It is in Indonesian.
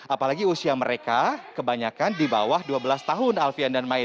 apalagi usia mereka kebanyakan di bawah dua belas tahun alfian dan mai